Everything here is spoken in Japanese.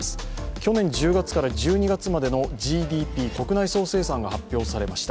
去年１０月から１２月までのＧＤＰ＝国内総生産が発表されました。